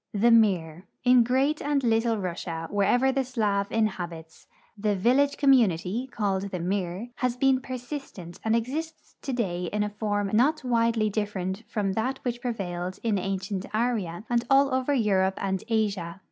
THE MIR. In Great and Little Russia, Avherever the Slav inhaliits, the vil lage community, called the mir, has been persistent and exists today in a form not widely different from that which prevailed in ancient Arya and all over Europe and Asia.